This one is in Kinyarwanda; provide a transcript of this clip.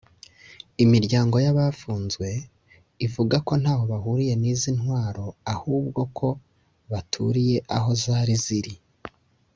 Imiryango y’abafunzwe ivuga ko ntaho bahuriye n’izi ntwaro ahubwo ko baturiye aho zari ziri